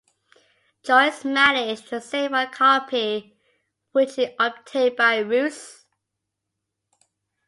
Joyce managed to save one copy, which he obtained "by ruse".